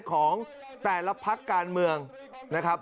ของแต่ละพักการเมืองนะครับ